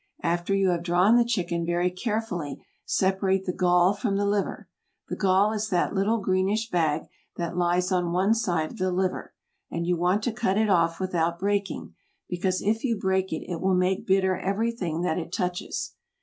After you have drawn the chicken very carefully separate the gall from the liver. The gall is that little greenish bag that lies on one side of the liver; and you want to cut it off without breaking, because if you break it it will make bitter everything that it touches.